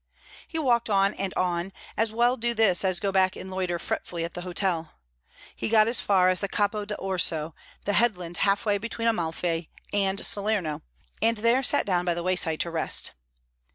He walked on and on; as well do this as go back and loiter fretfully at the hotel. He got as far as the Capo d' Orso, the headland half way between Amalfi and Salerno, and there sat down by the wayside to rest.